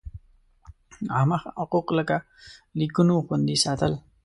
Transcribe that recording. عامه حقوق لکه لیکونو خوندي ساتل.